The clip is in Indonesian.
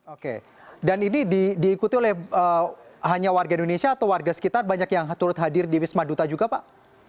oke dan ini diikuti oleh hanya warga indonesia atau warga sekitar banyak yang turut hadir di wisma duta juga pak